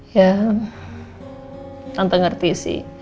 ya tante ngerti sih